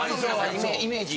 イメージ。